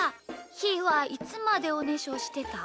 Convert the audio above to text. ひーはいつまでおねしょしてた？